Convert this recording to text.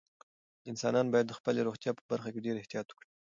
انسانان باید د خپلې روغتیا په برخه کې ډېر احتیاط وکړي.